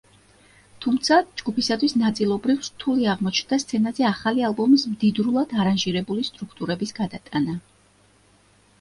თუმცა, ჯგუფისათვის ნაწილობრივ რთული აღმოჩნდა სცენაზე ახალი ალბომის მდიდრულად არანჟირებული სტრუქტურების გადატანა.